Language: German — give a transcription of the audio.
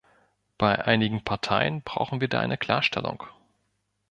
Bei einigen Parteien brauchen wir da eine Klarstellung.